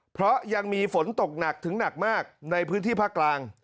เพราะยังมีฝนตกหนักถึงหนักมากในพื้นที่ภาคกลาง